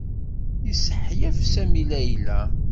Yessehyef Sami Layla.